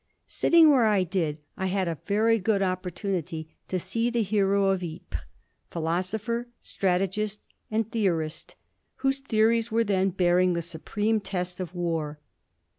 Sitting where I did I had a very good opportunity to see the hero of Ypres, philosopher, strategist and theorist, whose theories were then bearing the supreme test of war.